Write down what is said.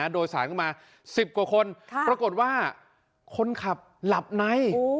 โดยสารเข้ามา๑๐กว่าคนปรากฏว่าคนขับหลับใน